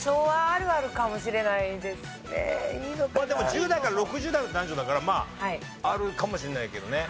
でも１０代から６０代の男女だからまああるかもしれないけどね。